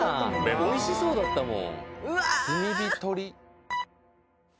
おいしそうだったもん。